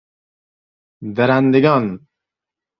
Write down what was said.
درندگان